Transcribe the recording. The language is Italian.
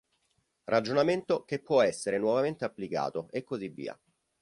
Ragionamento che può essere nuovamente applicato e così via.